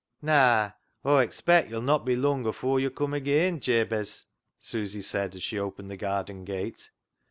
" Naa, Aw expect [hope] yo'll not be lung afoor yo' come ageean, Jabez," Susy said as she opened the garden gate.